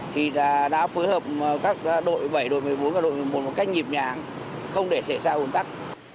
thì đã phối hợp các đội bảy đội một mươi bốn và đội một mươi một một cách nhịp nhàng không để xảy ra ồn tắc